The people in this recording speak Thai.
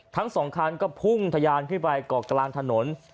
ทั้งสองคันก็พุ่งทะยานขึ้นไปเกาะกลางถนน